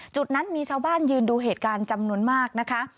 จุดนั้นมีชาวบ้านยืนดูเหตุการณ์จำนวนมากนะคะ